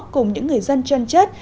cùng những người dân chân chất